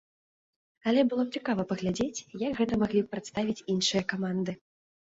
Але было б цікава паглядзець, як гэта маглі б прадставіць іншыя каманды.